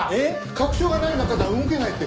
確証がない中では動けないって。